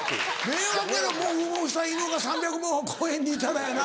迷惑やろモフモフした犬が３００も公園にいたらやな。